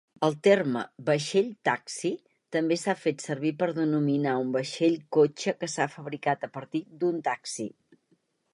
El terme "vaixell taxi" també s'ha fet servir per denominar un vaixell cotxe que s'ha fabricat a partir d'un taxi.